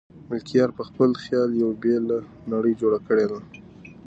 ملکیار په خپل خیال یوه بېله نړۍ جوړه کړې ده.